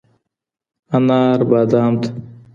انار بادام تـه